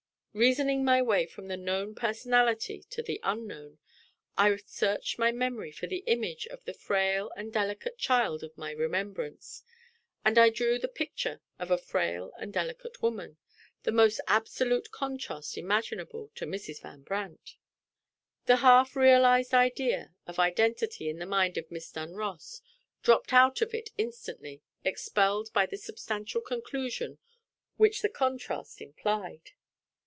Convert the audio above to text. Reasoning my way from the known personality to the unknown, I searched my memory for the image of the frail and delicate child of my remembrance: and I drew the picture of a frail and delicate woman the most absolute contrast imaginable to Mrs. Van Brandt! The half realized idea of identity in the mind of Miss Dunross dropped out of it instantly, expelled by the substantial conclusion which the contrast implied.